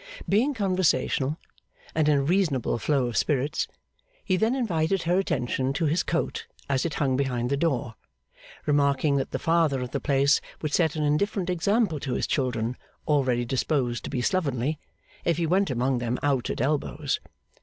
Being conversational, and in a reasonable flow of spirits, he then invited her attention to his coat as it hung behind the door: remarking that the Father of the place would set an indifferent example to his children, already disposed to be slovenly, if he went among them out at elbows.